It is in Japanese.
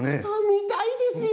みたいですよ。